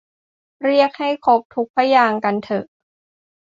เรียกให้ครบทุกพยางค์กันเถอะ